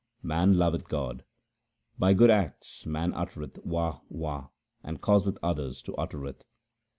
man loveth God. By good acts man uttereth Wah ! Wah ! and causeth others to utter it.